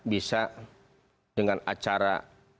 bisa dengan acara